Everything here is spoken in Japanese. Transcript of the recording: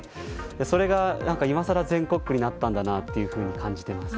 それがいまさら全国区になったんだなと感じています。